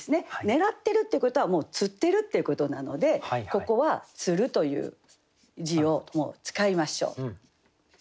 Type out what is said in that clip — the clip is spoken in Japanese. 狙ってるってことはもう釣ってるっていうことなのでここは「釣る」という字をもう使いましょう。